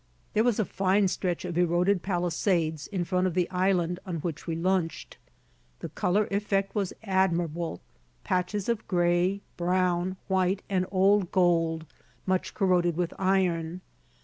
There was a fine stretch of eroded palisades in front of the island on which we lunched. The color effect was admirable, patches of gray, brown, white, and old gold, much corroded with iron.